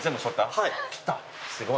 はい。